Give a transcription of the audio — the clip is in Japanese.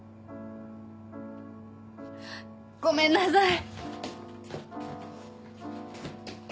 ごめんなさい。